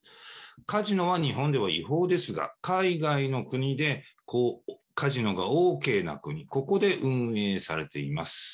カジノは日本では違法ですが、海外の国でカジノがＯＫな国、ここで運営されています。